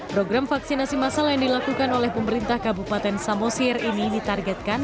program vaksinasi masal yang dilakukan oleh pemerintah kabupaten samosir ini ditargetkan